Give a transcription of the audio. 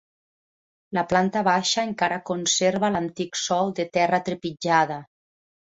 La planta baixa encara conserva l'antic sòl de terra trepitjada.